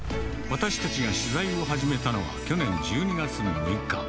私たちが取材を始めたのは、去年１２月６日。